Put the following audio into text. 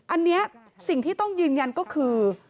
อันนี้สิ่งที่ต้องยืนยันก็คือ